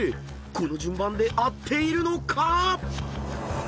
この順番で合っているのか⁉］